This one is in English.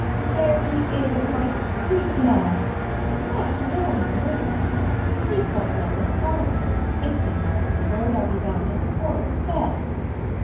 "There he is, my sweet lad! But, Lord ha' mercy! he's got never a collar on; it's been lost on the road, I'll be bound, and spoilt the set."